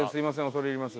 恐れ入ります。